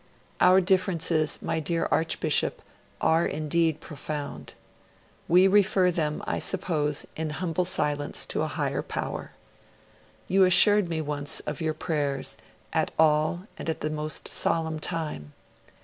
'Our differences, my dear Archbishop, are indeed profound. We refer them, I suppose, in humble silence to a Higher Power ... You assured me once of your prayers at all and at the most solemn time.